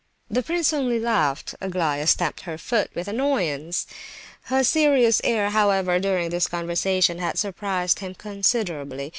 The prince only laughed. Aglaya stamped her foot with annoyance. Her serious air, however, during this conversation had surprised him considerably.